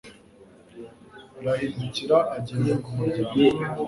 rahindukira agenda ku muryango